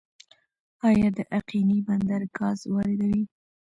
آیا د اقینې بندر ګاز واردوي؟